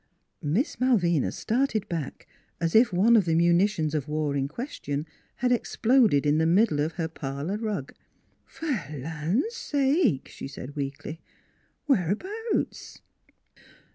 " Miss Malvina started back as if one of the munitions of war in question had exploded in the middle of her parlor rug. " Fer th' land sake !" she said weakly. "Whereabouts?"